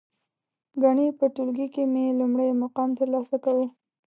گني په ټولگي کې مې لومړی مقام ترلاسه کاوه.